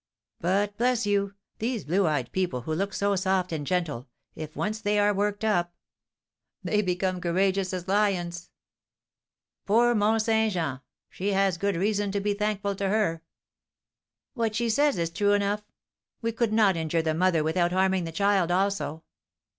"But, bless you, these blue eyed people, who look so soft and gentle, if once they are worked up " "They become courageous as lions." "Poor Mont Saint Jean! She has good reason to be thankful to her!" "What she says is true enough. We could not injure the mother without harming the child also."